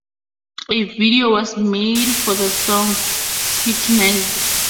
A video was made for the song "Scrutinized".